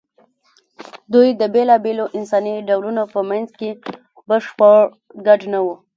دوی د بېلابېلو انساني ډولونو په منځ کې بشپړ ګډ نه وو.